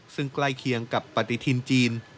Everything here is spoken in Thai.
ซึ่งใกล้เคียงกับปฏิทินจีน